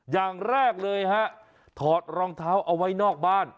อย่างแรกเลยฮะถอดรองเท้าเอาไว้นอกบ้าน